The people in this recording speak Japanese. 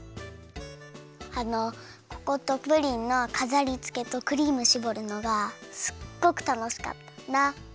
あのココットプリンのかざりつけとクリームしぼるのがすっごくたのしかったんだ。